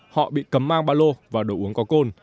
họ bị cấm mang ba lô và đồ uống có cồn